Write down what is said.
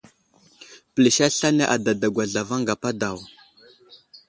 Pəlis aslane adadagwa zlavaŋ gapa daw.